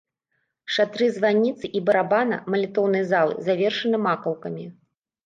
Шатры званіцы і барабана малітоўнай залы завершаны макаўкамі.